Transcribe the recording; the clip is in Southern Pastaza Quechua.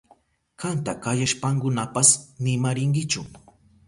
Kanta kayashpankunapas nima rinkichu.